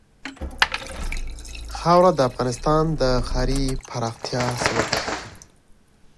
خاوره د افغانستان د ښاري پراختیا سبب کېږي.